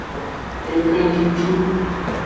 Efencucu.